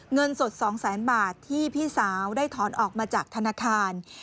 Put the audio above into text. เงินสด๒แสนบาทที่พี่สาวได้ถอนออกมาจากธนาคาร